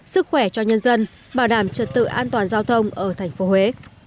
sức khỏe cho nhân dân bảo đảm trật tự an toàn giao thông ở tp huế